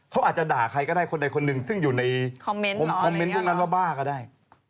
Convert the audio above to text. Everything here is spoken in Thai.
เขาอาจจะด่าใครก็ได้คนใดคนหนึ่งซึ่งอยู่ในคอมเมนต์พวกนั้นว่าบ้าก็ได้